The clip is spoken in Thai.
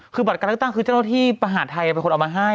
คือบัตรการเลือกตั้งคือเจ้าหน้าที่มหาดไทยเป็นคนเอามาให้